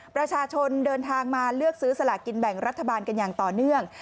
ประชาชนเดินทางมาเลือกซื้อสลากินแบ่งรัฐบาลกันอย่างต่อเนื่อง